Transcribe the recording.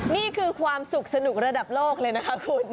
นี่คือความสุขสนุกระดับโลกเลยนะคะคุณ